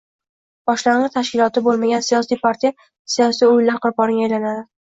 Boshlang'ich tashkiloti bo'lmagan siyosiy partiya siyosiy o'yinlar qurboniga aylanadi